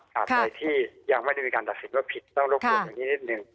สำหรับใดที่ยังไม่ได้มีการลักษณ์ว่าผิดต้องรบกวนอย่างนี้นิดหนึ่ง